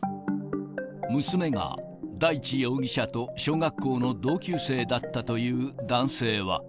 娘が大地容疑者と小学校の同級生だったという男性は。